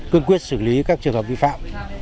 cương quyết xử lý các trường hợp vi phạm